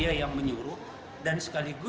barang buktinya cukup banyak besok akan kami gelar